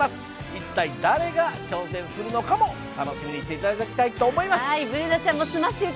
一体誰が挑戦するのかも楽しみにしていただきたいと思います。